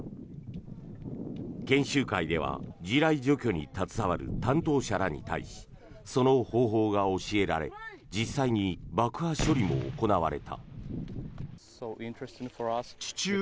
研修会では地雷除去に携わる担当者らに対しその方法が教えられ実際に爆破処理も行われた。